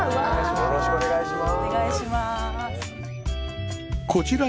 よろしくお願いします。